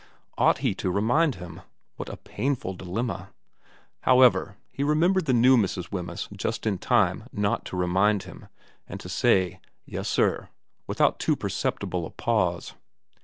Ought he to remind him ? What a painful dilemma. ... How ever, he remembered the new Mrs. Wemyss just in time not to remind him, and to say * Yes sir/ without too perceptible a pause.